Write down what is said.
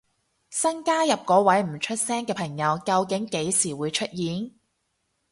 新加入嗰位唔出聲嘅朋友究竟幾時會出現？